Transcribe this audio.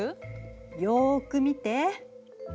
よく見て。